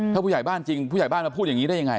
ถ้าผู้ใหญ่บ้านจริงผู้ใหญ่บ้านมาพูดอย่างนี้ได้ยังไง